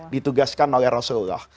ditugaskan oleh rasulullah